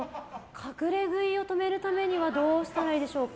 隠れ食いを止めるためにはどうしたらいいでしょうか。